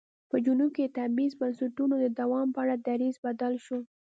په جنوب کې د تبعیض بنسټونو د دوام په اړه دریځ بدل شو.